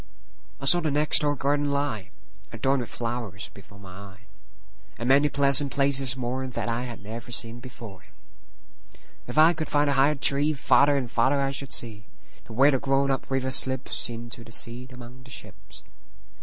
I saw the next door garden lie, Adorned with flowers, before my eye, And many pleasant places moreThat I had never seen before. If I could find a higher treeFarther and farther I should see, To where the grown up river slipsInto the sea among the ships.